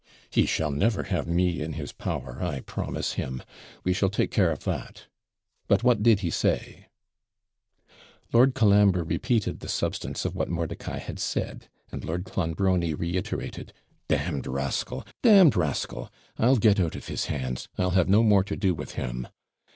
'He shall never have me in his power, I promise him. We shall take care of that. But what did he say?' Lord Colambre repeated the substance of what Mordicai had said, and Lord Clonbrony reiterated 'Damned rascal! damned rascal! I'll get out of his hands; I'll have no more to do with him.'